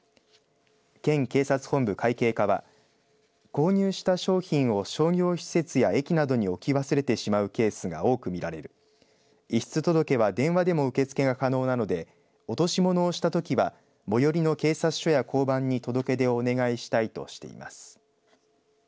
県警察本部会計課は購入した商品を商業施設や駅などに置き忘れてしまうケースが多く見られる遺失届は電話でも受け付けが可能なので落とし物をしたときは最寄りの警察署や交番に届け出をお願いしたいとしています。